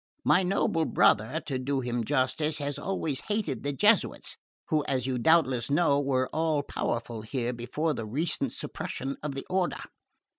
My noble brother, to do him justice, has always hated the Jesuits, who, as you doubtless know, were all powerful here before the recent suppression of the Order.